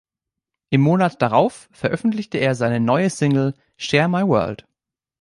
Im Monat darauf veröffentlichte er seine neue Single "Share My World".